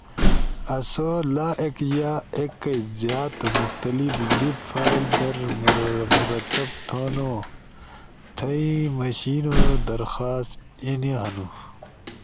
آسو لا ایک یا ایک کئی زیاد مختلف زیب فائل در مرتب تھونو، تھئی مݜینو درکواست اینی ہنو: